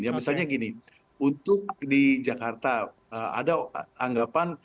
ya misalnya gini untuk di jakarta ada anggapan